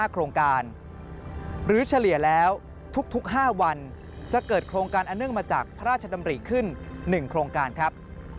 โครงการหรือเฉลี่ยแล้วทุก๕วันจะเกิดโครงการอเนื่องมาจากพระราชดำริขึ้น๑โครงการครับ